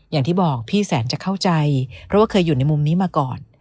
อย่างที่บอกพี่แสนจะเข้าใจเพราะว่าเคยอยู่ในมุมนี้มาก่อน